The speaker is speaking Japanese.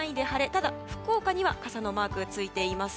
ただ、福岡には傘のマークがついています。